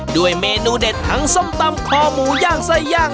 ด้วยเมนูเด็ดทั้งส้มตำคอหมูย่างไส้ย่าง